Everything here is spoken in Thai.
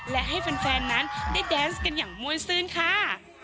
และให้แฟนนั้นได้แดนส์กันอย่างม่วนซื่นค่ะ